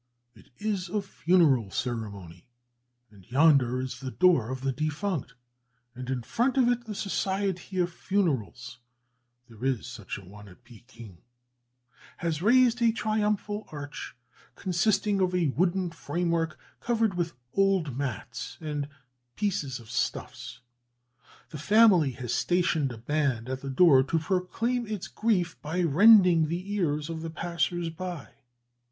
It is a funeral ceremony, and yonder is the door of the defunct, and in front of it the Society of Funerals (there is such an one at Pekin) has raised a triumphal arch, consisting of a wooden framework, covered with old mats and pieces of stuffs. The family has stationed a band at the door to proclaim its grief by rending the ears of the passers by.